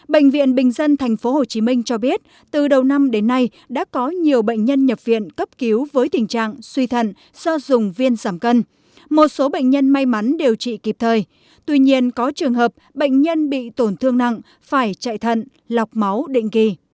bệnh viện bình dân tp hcm cho biết từ đầu năm đến nay đã có nhiều bệnh nhân nhập viện cấp cứu với tình trạng suy thận do dùng viên giảm cân một số bệnh nhân may mắn điều trị kịp thời tuy nhiên có trường hợp bệnh nhân bị tổn thương nặng phải chạy thận lọc máu định kỳ